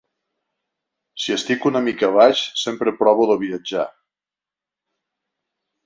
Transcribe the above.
Si estic una mica baix sempre provo de viatjar.